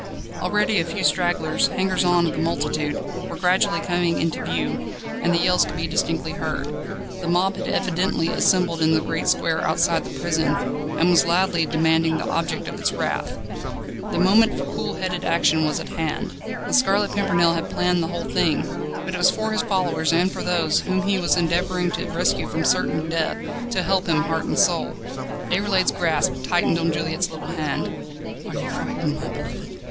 Already a few stragglers, hangers on of the multitude, were gradually coming into view, and the yells could be distinctly heard. The mob had evidently assembled in the great square outside the prison, and was loudly demanding the object of its wrath. The moment for cool headed action was at hand. The Scarlet Pimpernel had planned the whole thing, but it was for his followers and for those, whom he was endeavouring to rescue from certain death, to help him heart and soul. Déroulède's grasp tightened on Juliette's little hand. "Are you frightened, my beloved?"